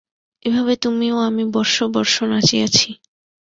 এভাবে তুমি ও আমি বর্ষ-বর্ষ নাচিয়াছি।